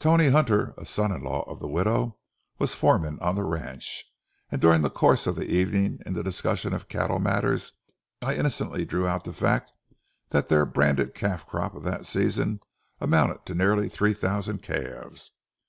Tony Hunter, a son in law of the widow, was foreman on the ranch, and during the course of the evening in the discussion of cattle matters, I innocently drew out the fact that their branded calf crop of that season amounted to nearly three thousand calves.